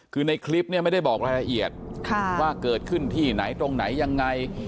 คือในคลิปเนี่ยไม่ได้บอกรายละเอียดว่าเกิดขึ้นที่ไหนตรงไหนยังไง